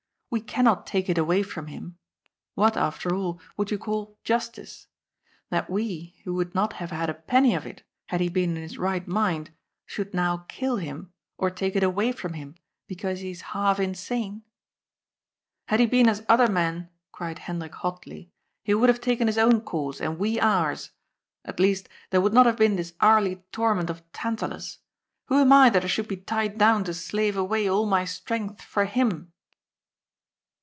We cannot take it away from him. What, after all, would you call * justice '? That we, who would not have had a penny of it, had he been in his right mind, should now kill him, or take it away from him, because he is half insane ?"" Had he been as other men," cried Hendrik hotly, " he would have taken his own course, and we ours. At least, there would not have been this hourly torment of Tantalus ! Who am I that I should be tied down to slave away all my strength for him